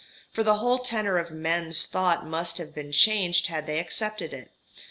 For the whole tenor of men's thought must have been changed had they accepted it.